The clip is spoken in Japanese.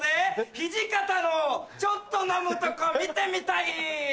土方のちょっと飲むとこ見てみたい